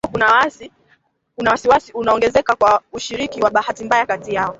Hata hivyo kuna wasiwasi unaoongezeka wa ushiriki wa bahati mbaya kati yao